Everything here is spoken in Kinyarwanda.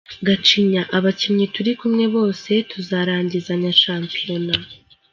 Gacinya: Abakinnyi turi kumwe bose tuzarangizanya shampiyona.